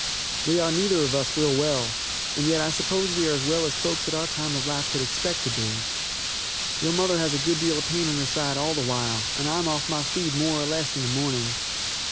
We are neither of us real well, and yet I suppose we are as well as folks at our time of life could expect to be. Your mother has a good deal of pain in her side all the while and I am off my feed more or less in the morning.